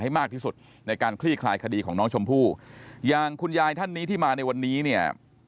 ให้มากที่สุดในการคลี่คลายคดีของน้องชมพู่อย่างคุณยายท่านนี้ที่มาในวันนี้เนี่ย